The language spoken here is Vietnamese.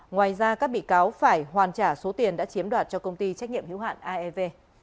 ngoài ra các bị cáo phải hoàn trả số tiền đã chiếm đoạt cho công ty trách nhiệm hiếu hạn aev